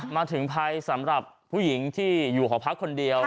มาถึงภัยสำหรับผู้หญิงที่อยู่หอพักคนเดียว